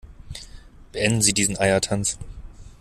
Beenden Sie diesen Eiertanz!